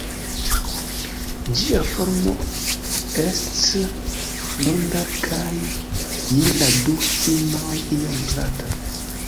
Ĝia formo ests ronda kaj je la du finoj iom plata.